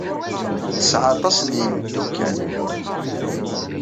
Tesɛa aṭas n yimeddukal.